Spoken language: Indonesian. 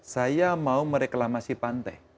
saya mau mereklamasi pantai